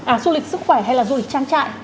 ảo du lịch sức khỏe hay là du lịch trang trại